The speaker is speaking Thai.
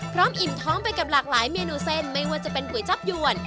อิ่มท้องไปกับหลากหลายเมนูเส้นไม่ว่าจะเป็นก๋วยจับยวน